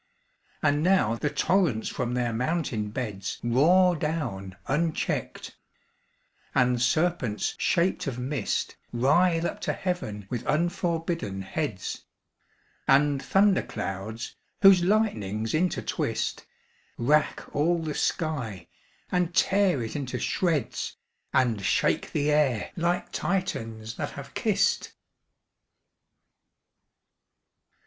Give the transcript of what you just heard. And now the torrents from their mountain beds Roar down uncheck'd; and serpents shaped of mist Writhe up to Heaven with unforbidden heads; And thunder clouds, whose lightnings intertwist, Rack all the sky, and tear it into shreds, And shake the air like Titians that have kiss'd!